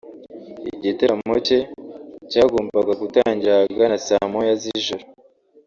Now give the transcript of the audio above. Igitaramo cye cyagombaga gutangira ahagana saa moya z’ijoro